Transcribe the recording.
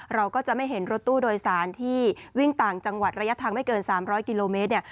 เราก็จะไม่เห็นรถตู้โดยสารที่วิ่งต่างจังหวัดระยะทางไม่เกิน๓๐๐กิโลเมตรเนี่ย